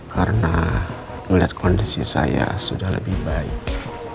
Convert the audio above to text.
karena melihat kondisi saya sudah lebih baik